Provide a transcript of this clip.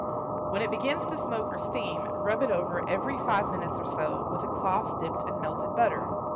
When it begins to smoke or steam, rub it over every five minutes or so, with a cloth dipped in melted butter.